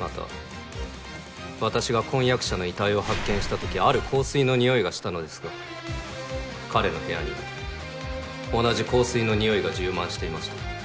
また私が婚約者の遺体を発見したときある香水の匂いがしたのですが彼の部屋にも同じ香水の匂いが充満していました。